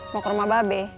mau ke rumah babe